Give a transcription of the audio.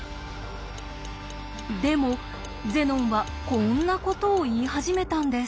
でもゼノンはこんなことを言い始めたんです。